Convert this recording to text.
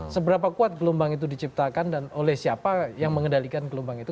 seberapa kuat gelombang itu diciptakan dan oleh siapa yang mengendalikan gelombang itu